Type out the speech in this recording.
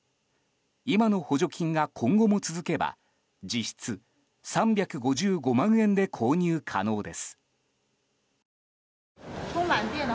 今の補助金が今後も続けば実質３５５万円で購入可能です。